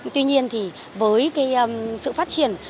tuy nhiên thì với sự phát triển